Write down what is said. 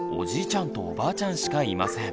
ちゃんとおばあちゃんしかいません。